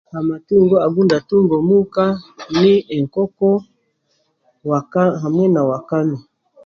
Amatungo agundatunga omuuka ni enkooko hamwe na wakame.